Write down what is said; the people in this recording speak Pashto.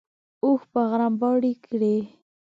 اوښ به غرمباړې کړې.